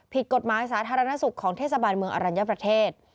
ผิดกฎหมายสาธารณสุขของเทศบาลเมืองอรัญญประเทศ